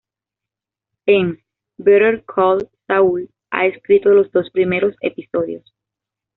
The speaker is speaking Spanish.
En "Better Call Saul", ha escrito los dos primeros episodios.